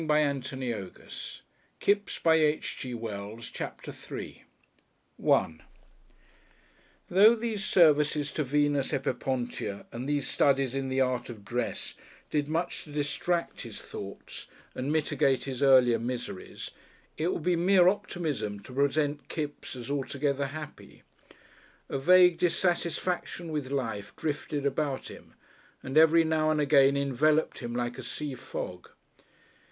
CHAPTER III THE WOOD CARVING CLASS §1 Though these services to Venus Epipontia, the seaside Venus, and these studies in the art of dress, did much to distract his thoughts and mitigate his earlier miseries, it would be mere optimism to present Kipps as altogether happy. A vague dissatisfaction with life drifted about him and every now and again enveloped him like a sea fog.